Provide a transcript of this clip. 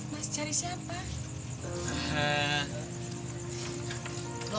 maaf mas cari siapa